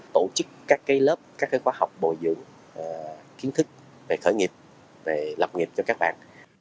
tổ chức các lớp các khóa học bồi dưỡng kiến thức về khởi nghiệp về lập nghiệp cho các bạn